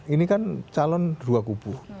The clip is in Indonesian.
ini kan calon dua kubu